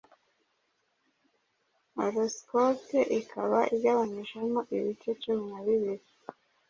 Horoscope ikaba igabanyijemo ibice cumi na bibiri